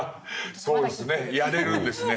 そうですねやれるんですね。